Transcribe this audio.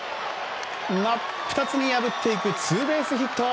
真っ二つに破っていくツーベースヒット。